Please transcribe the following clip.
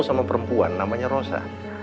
sama perempuan namanya rosa